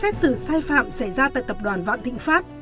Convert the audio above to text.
tại tập đoàn vạn thịnh pháp